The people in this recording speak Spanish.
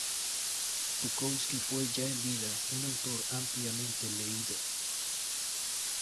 Tucholsky fue ya en vida un autor ampliamente leído.